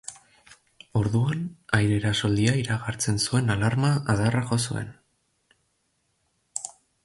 Orduan aire-erasoaldia iragartzen zuen alarma adarrak jo zuen.